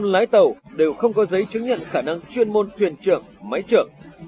một trăm linh lái tàu đều không có giấy chứng nhận khả năng chuyên môn thuyền trưởng máy trưởng